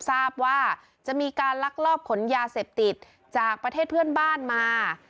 ทราบว่าจะมีการลักลอบขนยาเสพติดจากประเทศเพื่อนบ้านมา